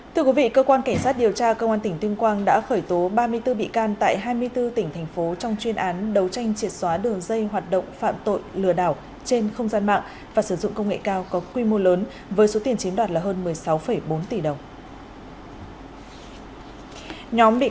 thưa quý vị cơ quan cảnh sát điều tra công an tỉnh tuyên quang đã khởi tố ba mươi bốn bị can tại hai mươi bốn tỉnh thành phố trong chuyên án đấu tranh triệt xóa đường dây hoạt động phạm tội lừa đảo trên không gian mạng và sử dụng công nghệ cao có quy mô lớn với số tiền chiếm đoạt là hơn một mươi sáu bốn tỷ đồng